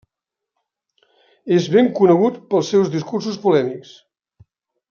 És ben conegut pels seus discursos polèmics.